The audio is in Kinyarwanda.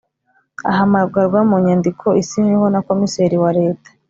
ahamagarwa mu nyandiko isinyweho nakomiseri wa leta